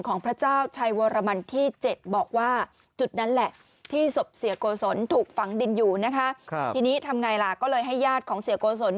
พระเจ้าชัยวรมันที่๗บอกว่าจุดนั้นแหละที่ศพเสียโกศลถูกฝังดินอยู่นะคะทีนี้ทำไงล่ะก็เลยให้ญาติของเสียโกศล